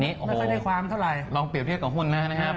ไม่ค่อยได้ความเท่าไหร่ลองเปรียบเทียบกับหุ้นนะครับ